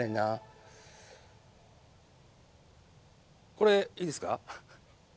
これいいですか？